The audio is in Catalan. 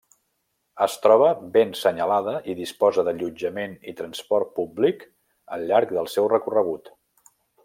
Es troba ben senyalada i disposa d'allotjament i transport públic al llarg del seu recorregut.